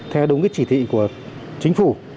theo đúng cái chỉ thị của chính phủ